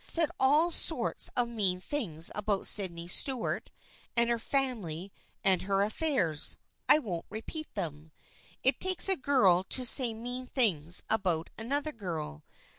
Said all sorts of mean things about Sydney Stuart, and her family and her affairs. I won't repeat them. It takes a girl to say mean things about another girl.